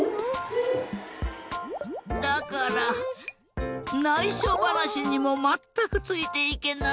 だからないしょばなしにもまったくついていけない。